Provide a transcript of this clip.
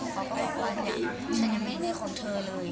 เขาก็บอกว่าชัยยังไม่มีคนเธอเลย